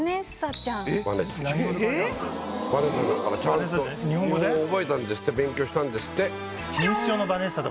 ちゃんと日本語覚えたんですって勉強したんですって。